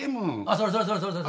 それそれそれそれ！